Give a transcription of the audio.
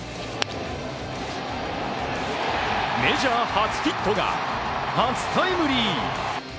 メジャー初ヒットが初タイムリー！